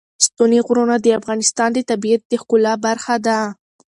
ستوني غرونه د افغانستان د طبیعت د ښکلا برخه ده.